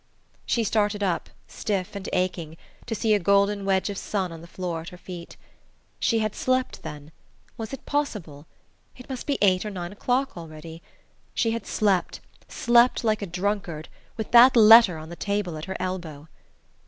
She started up, stiff and aching, to see a golden wedge of sun on the floor at her feet. She had slept, then was it possible? it must be eight or nine o'clock already! She had slept slept like a drunkard with that letter on the table at her elbow!